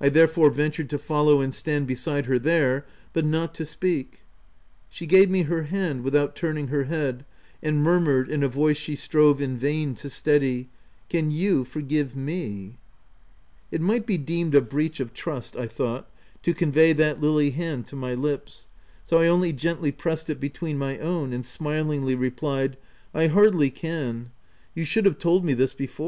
I therefore ventured to follow and stand beside her there, — but not to speak. She gave me her hand, without turn ing her head, and murmured, in a voice she strove in vain to steady, —' c Can you forgive me?" It might be deemed a breach of trust, I thought, to convey that lily hand to my lips, so I only gently pressed it between my own, and smilingly replied, —" I hardly can. You should have told me this before.